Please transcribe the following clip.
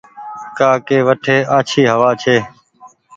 ڪآ ڪي وٺي آڇي هوآ ڇي ۔